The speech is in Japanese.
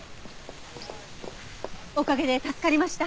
おかげで助かりました。